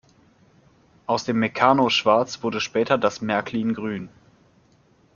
Aus dem Meccano-Schwarz wurde später das Märklin-Grün.